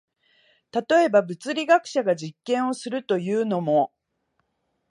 例えば、物理学者が実験をするというのも、